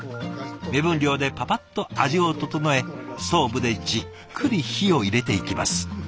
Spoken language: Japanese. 目分量でパパッと味を調えストーブでじっくり火を入れていきます。